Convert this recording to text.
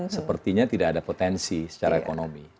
sepertinya tidak ada potensi secara ekonomi